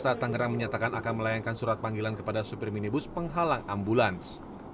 kota tangerang menyatakan akan melayangkan surat panggilan kepada supir minibus penghalang ambulans